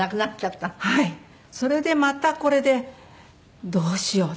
それでまたこれでどうしよう。